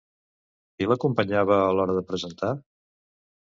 Qui l'acompanyava a l'hora de presentar?